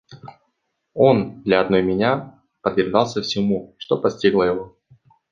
Он для одной меня подвергался всему, что постигло его.